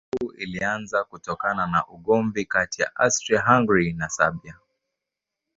Vita Kuu ilianza kutokana na ugomvi kati ya Austria-Hungaria na Serbia.